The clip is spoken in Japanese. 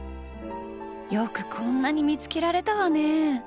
よくこんなに見つけられたわネ！